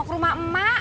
bu ini dia